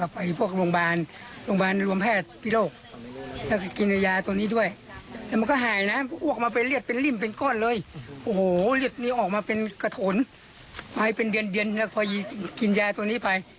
ไปเป็นเดือนแล้วพอกินแยร์ตัวนี้ไป